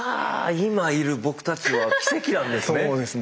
今いる僕たちは奇跡なんですね。